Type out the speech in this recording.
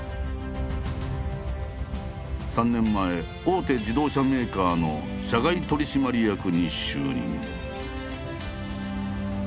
３年前大手自動車メーカーの社外取締役に就任。